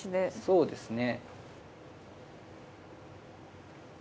そうですね。